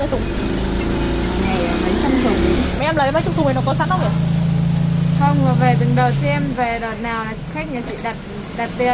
đấy chỉ lấy được là